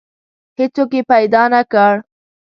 هیڅوک یې پیدا نه کړ.